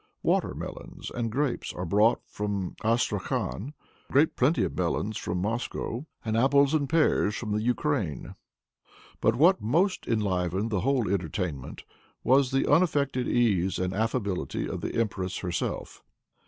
Water melons and grapes are brought from Astrachan; great plenty of melons from Moscow; and apples and pears from the Ukraine. "But what most enlivened the whole entertainment, was the unaffected ease and affability of the empress herself.